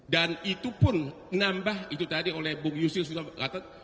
dan itu pun menambah itu tadi bung yusil sudah kata